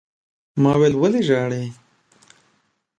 ما وويل: ولې ژاړې؟